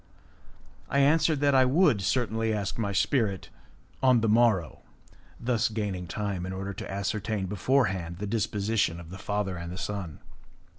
I answered that I would certainly ask my spirit on the morrow, thus gaining time in order to ascertain before hand the disposition of the father and of his son.